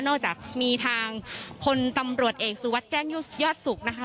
นอกจากมีทางคนตำรวจเอกสุธวัดแจ้งยอดยอดศุกร์นะคะ